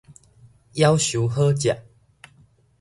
夭壽好食